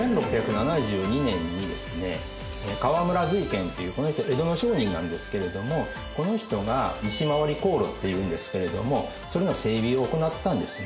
河村瑞賢っていうこの人江戸の商人なんですけれどもこの人が西廻り航路っていうんですけれどもそれの整備を行ったんですね。